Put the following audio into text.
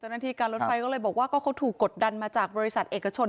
หน้าที่การรถไฟก็เลยบอกว่าก็เขาถูกกดดันมาจากบริษัทเอกชน